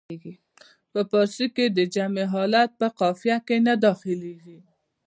په فارسي کې د جمع حالت په قافیه کې نه داخلیږي.